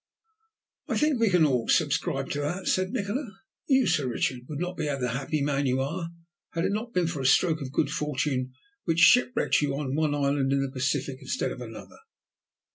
"I think we can all subscribe to that," said Nikola. "You, Sir Richard, would not be the happy man you are had it not been for a stroke of good fortune which shipwrecked you on one island in the Pacific instead of another.